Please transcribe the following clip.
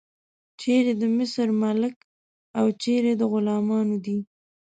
چیرې د مصر ملک او چیرې د غلامانو دی.